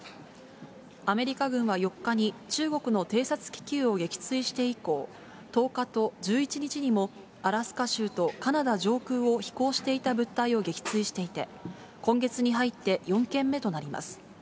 アメリカ軍は４日に、中国の偵察気球を撃墜して以降、１０日と１１日にも、アラスカ州とカナダ上空を飛行していた物体を撃墜していて、今月に入って４件目となります。